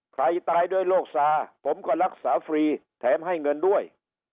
ตายด้วยโรคซาผมก็รักษาฟรีแถมให้เงินด้วย